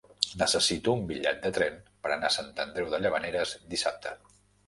Necessito un bitllet de tren per anar a Sant Andreu de Llavaneres dissabte.